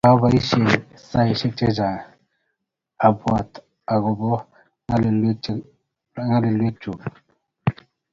Kaboishee saishek che chang abwaat akoba nyalilwogik chu